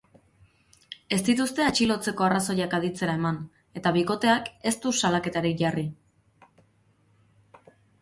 Ez dituzte atxilotzeko arrazoiak aditzera eman, eta bikoteak ez du salaketarik jarri.